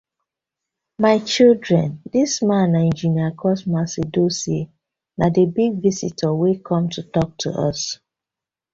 My children, dis man na Engineer Cosmas Edosie, na di big visitor wey com to tok to us.